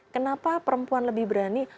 kenapa perempuan lebih berani